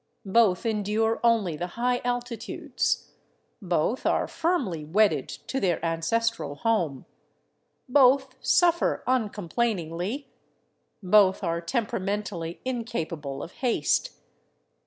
Both endure only the high altitudes ; both are firmly wedded to their ances tral home; both suffer uncomplainingly; both are temperamentally incapable of haste.